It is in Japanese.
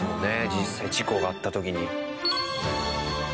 実際事故があった時に。